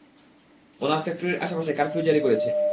ওনারা ফ্যাক্টরির আশেপাশে কারফিউ জারি করেছে।